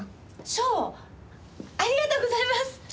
ありがとうございます！